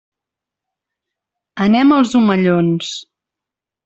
Anem als Omellons.